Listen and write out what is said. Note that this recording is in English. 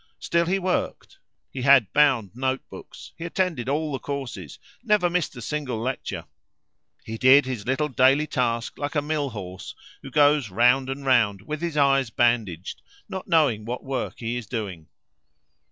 Still he worked; he had bound note books, he attended all the courses, never missed a single lecture. He did his little daily task like a mill horse, who goes round and round with his eyes bandaged, not knowing what work he is doing.